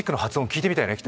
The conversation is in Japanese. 聞いてみたいね。